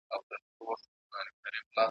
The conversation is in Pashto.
مُلا خپور کړی د جهل جال دی .